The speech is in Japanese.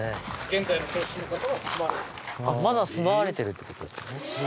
まだ住まわれてるって事ですね。